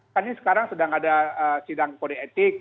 kan ini sekarang sedang ada sidang kode etik